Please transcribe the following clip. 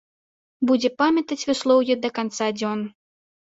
Будзе памятаць выслоўе да канца дзён.